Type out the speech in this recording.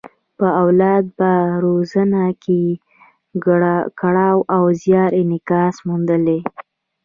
په اولاد په روزنه کې یې کړاو او زیار انعکاس موندلی.